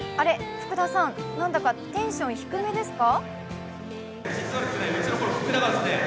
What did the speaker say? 福田さん、なんだかテンション低めですか？